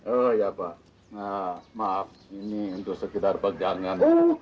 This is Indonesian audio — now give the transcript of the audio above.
oh ya pak maaf ini untuk sekitar pejalanan